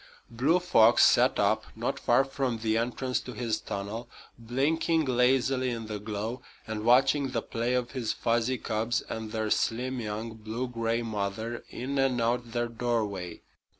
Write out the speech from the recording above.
Blue Fox sat up, not far from the entrance to his tunnel, blinking lazily in the glow and watching the play of his fuzzy cubs and their slim, young, blue gray mother in and out their doorway.